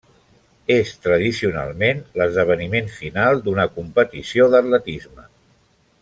És, tradicionalment, l'esdeveniment final d'una competició d'atletisme.